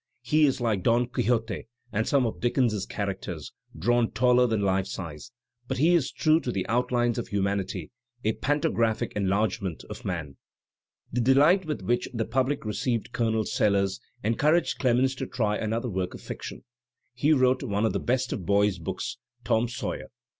He is, like Don Quixote and some of Dickens's characters, drawn taller than Ufe size, but he is true to the outlines of humanity, a pantographic enlargement of man. The delight with which the public received Colonel Sellers encouraged Clwnens to try another work of fiction. He wrote one of the best of boys' books, "Tom Sawyer."